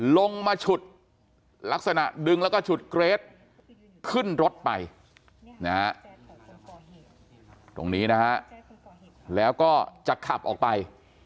ลงมาฉุดลักษณะดึงแล้วก็ฉุดเกรทขึ้นรถไปนะฮะตรงนี้นะฮะแล้วก็จะขับออกไป